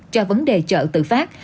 cho vấn đề chợ tự phát